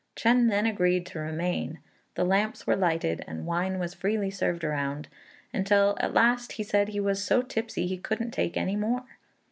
Chên then agreed to remain; the lamps were lighted, and wine was freely served round, until at last he said he was so tipsy he couldn't take any more.